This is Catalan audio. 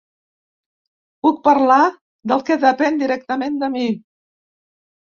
Puc parlar del que depèn directament de mi.